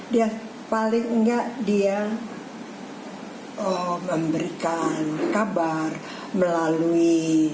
dia paling enggak dia memberikan kabar melalui